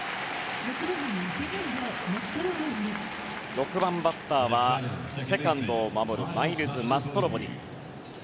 ６番バッターはセカンドを守るマイルズ・マストロボニ。